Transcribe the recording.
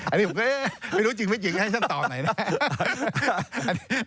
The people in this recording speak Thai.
อันนี้ผมก็ไม่รู้จริงไม่จริงให้ฉันตอบหน่อยนะครับ